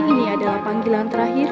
ini adalah panggilan terakhir